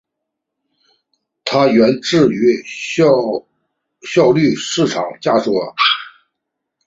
它源自于效率市场假说。